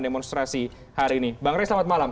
demonstrasi hari ini bang rey selamat malam